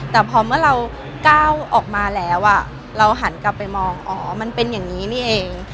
แต่พอเมื่อเราก้าวออกมาแล้วเราหันกลับไปมองอ๋อมันเป็นอย่างนี้นี่เอง